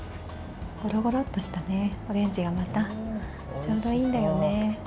ゴロゴロッとしたオレンジがまたちょうどいいんだよね。